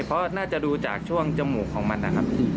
เพราะน่าจะดูจากช่วงจมูกของมันนะครับ